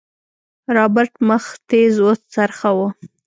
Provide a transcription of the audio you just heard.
رابرټ مخ تېز وڅرخوه.